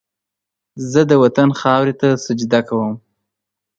زه د وطن خاورې ته سجده کوم